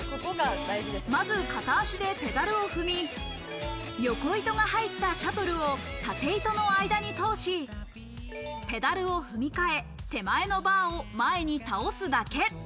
まずは片足でペダルを踏み、横糸が入ったシャトルを縦糸の間に通し、ペダルを踏み替え、手前のバーを前に倒すだけ。